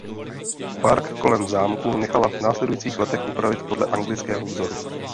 Park kolem zámku nechala v následujících letech upravit podle anglického vzoru.